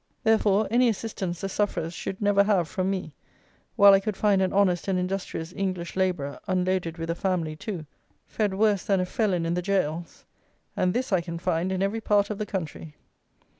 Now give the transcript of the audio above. Therefore, any assistance the sufferers should never have from me, while I could find an honest and industrious English labourer (unloaded with a family too) fed worse than a felon in the gaols; and this I can find in every part of the country.